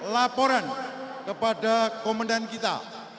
laporan kepada komendan kita